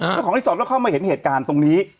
เจ้าของรีสอร์ทก็เข้ามาเห็นเหตุการณ์ตรงนี้